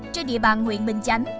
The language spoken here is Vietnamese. trên địa bàn huyện bình chánh